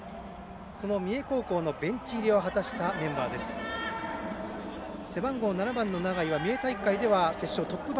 その三重高校のベンチ入りを果たしたメンバーです。